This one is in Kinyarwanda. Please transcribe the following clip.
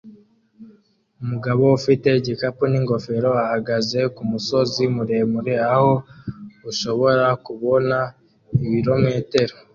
Umugabo ufite igikapu ningofero ahagaze kumusozi muremure aho ushobora kubona ibirometero